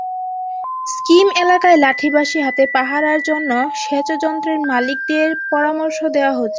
Scheme এলাকায় লাঠি-বাঁশি হাতে পাহারার জন্য সেচযন্ত্রের মালিকদের পরামর্শ দেওয়া হচ্ছে।